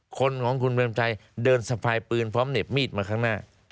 คนของคุณเบรมชัยเดินสะพายปืนพร้อมเหน็บมีดมาข้างหน้า